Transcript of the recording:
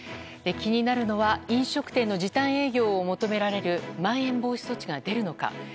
気になるのは飲食店の時短営業を求められるまん延防止措置が出るのか。